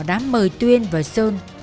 đã mời tuyên và sơn